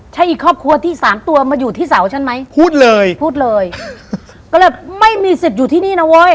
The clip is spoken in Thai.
ใช่อีกครอบครัวที่สามตัวมาอยู่ที่เสาฉันไหมพูดเลยพูดเลยก็เลยไม่มีสิทธิ์อยู่ที่นี่นะเว้ย